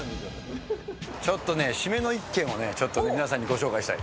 ちょっとね、締めの一軒をね、ちょっと皆さんにご紹介したい。